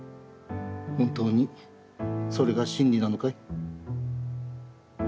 本当にそれが真理なのかい？